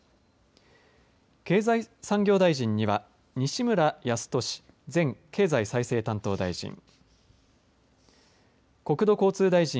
経済産業大臣には西村康稔前経済再生担当大臣。